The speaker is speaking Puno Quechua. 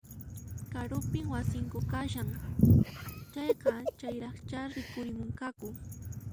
Karupin wasinku kashan, chayqa chayraqchá rikurimunqaku